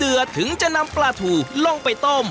ซุปเดือดถึงจะนำปลาถูกลงไปต้ม